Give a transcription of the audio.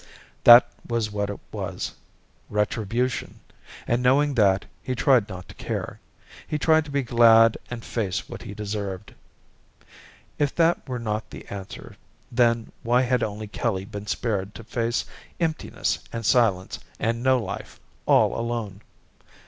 That was what it was. Retribution. And knowing that, he tried not to care. He tried to be glad and face what he deserved. If that were not the answer, then why had only Kelly been spared to face emptiness and silence and no life, all alone?